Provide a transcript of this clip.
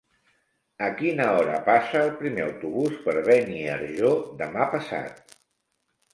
A quina hora passa el primer autobús per Beniarjó demà passat?